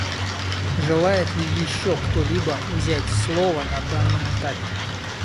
Желает ли еще кто-либо взять слово на данном этапе?